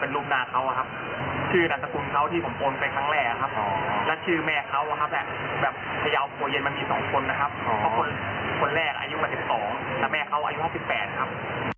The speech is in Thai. เพราะคนแรกอายุ๘๒และแม่เขาอายุ๕๘ครับ